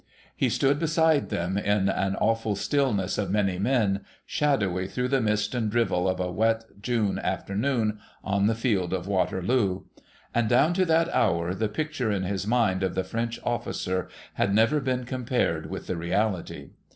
He stood beside them, in an awful stillness of many men, shadowy through the mist and drizzle of a wet June forenoon, on the field of Waterloo. And down to that hour the picture in his mind of the French officer had never been compared with the realit}'.